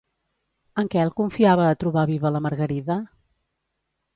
En Quel confiava a trobar viva la Margarida?